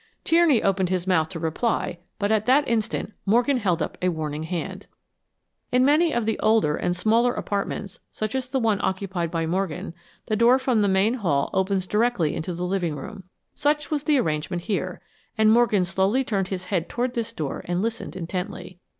Tierney opened his mouth to reply, but at that instant Morgan held up a warning hand. In many of the older and smaller apartments, such as the one occupied by Morgan, the door from the main hall opens directly into the living room. Such was the arrangement here, and Morgan slowly turned his head toward this door and listened intently.